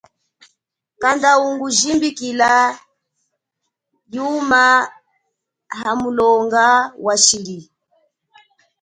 Kanda ungu jimbikila yuma hamulonga wa shili.